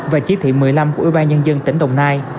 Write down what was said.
và chỉ thị một mươi năm của ủy ban nhân dân tỉnh đồng nai